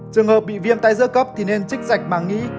trường hợp bị viêm tai dữa cấp thì nên trích dạch màng nghĩ